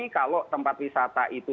kalau tempat wisata itu